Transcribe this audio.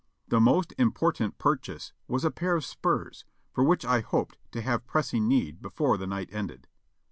The most im portant purchase was a pair of spurs, for which I hoped to have pressing need before the night ended.